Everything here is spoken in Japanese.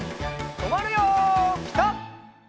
とまるよピタ！